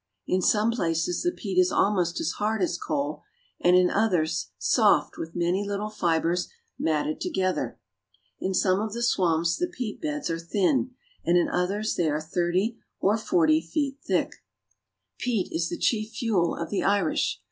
In some places the peat is almost as hard as coal, and in others soft with many little fibers matted together. In some of the swamps the peat beds are thin, and in others they are thirty or forty feet thick. "We see women carrying great baskets of it." 26 IRELAND. Peat is the chief fuel of the Irish.